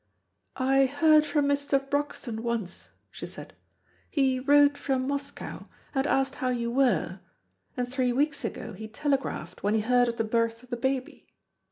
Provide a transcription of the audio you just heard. "I heard from Mr. Broxton once," she said; "he wrote from Moscow, and asked how you were, and three weeks ago he telegraphed, when he heard of the birth of the baby."